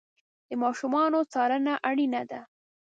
د ماشومانو څارنه اړینه ده.